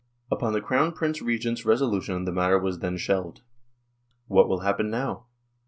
" Upon the Crown Prince Regent's resolution the matter was then shelved. What will happen now